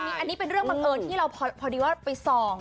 อันนี้เป็นเรื่องบังเอิญที่เราพอดีว่าไปส่อง